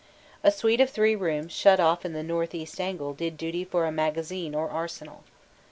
A suite of three rooms shut off in the north east angle did duty for a magazine or arsenal.